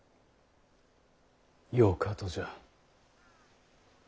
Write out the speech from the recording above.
よかとじゃ。